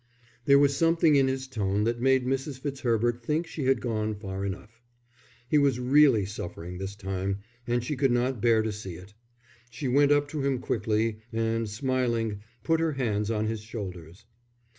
There was something in his tone that made Mrs. Fitzherbert think she had gone far enough. He was really suffering this time, and she could not bear to see it. She went up to him quickly, and smiling, put her hands on his shoulders.